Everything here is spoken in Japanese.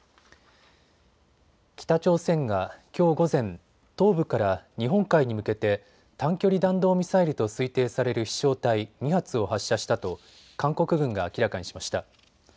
北朝鮮がきょう午前、東部から日本海に向けて短距離弾道ミサイルと推定される飛しょう体２発を発射したと韓国軍が明らかにしました。